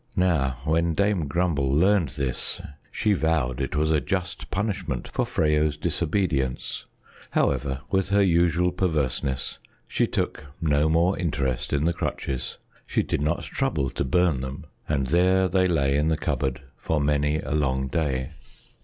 Now when Dame Grumble learned this, she vowed it was a just punishment for Freyo's disobedience. However, with her usual perverseness, she took no more interest in the crutches. She did not trouble to burn them, and there they lay in the cupboard for many a long day.